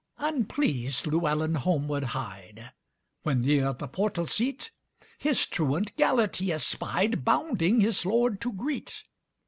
Unpleased Llewelyn homeward hied, When, near the portal seat, His truant Gêlert he espied, Bounding his lord to greet.